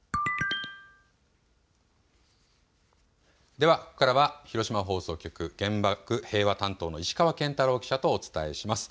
ではここからは広島放送局原爆・平和担当の石川拳太朗記者とお伝えします。